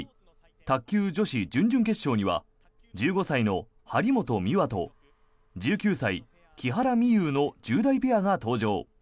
卓球女子準々決勝には１５歳の張本美和と１９歳、木原美悠の１０代ペアが登場。